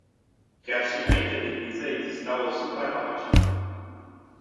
Chiar și înainte de criză exista o supracapacitate.